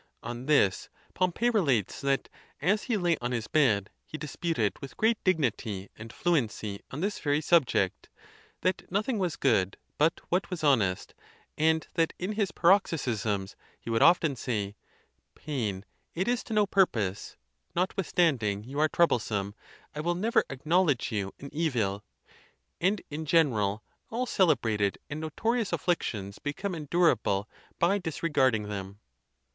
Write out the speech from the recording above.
On this Pom pey relates that, as he lay on his bed, he disputed with great dignity and fluency on this very subject: that noth ing was good but what was honest; and that in his par oxysms he would often say, " Pain, it is to no purpose; notwithstanding you are troublesome, I will never ac knowledge you an evil." And in general all celebrated and notorious afflictions become endurable by disregard ing them.